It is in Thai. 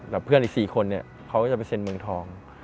แล้วเพื่อนอีก๔คนเขาก็จะไปเซ็นเมืองทอง